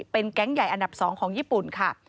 เป็นแก๊งใหญ่อันดับ๒ของญี่ปุ่นค่ะ